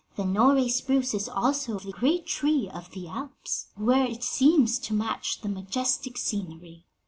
The Norway spruce is also the great tree of the Alps, where it seems to match the majestic scenery.